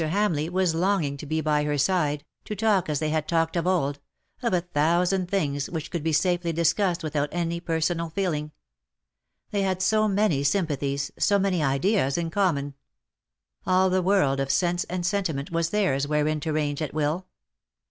Hamleigh was longing to be by her side — to talk as they had talked of old — of a thousand things which could be safely discussed without any personal feeling. They had so many sympathies,, so many ideas in common. All the world of sense and sentiment was theirs wherein to range at will.